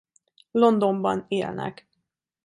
Londonban élnek.